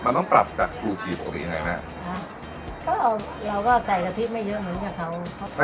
มันต้องปรับกับปกติยังไงแน่ฮะแล้วเราก็ใส่กะทิไม่เยอะเหมือนกับเขา